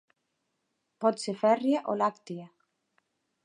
Pot ser fèrria o làctia.